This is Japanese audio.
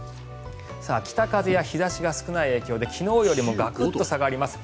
北風や日差しが少ない影響で昨日よりもガクンと下がります。